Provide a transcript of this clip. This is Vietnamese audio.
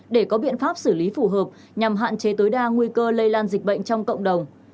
để có biện pháp xử lý phù hợp nhằm hạn chế tối đa nguy cơ lây lan dịch bệnh trong cộng đồng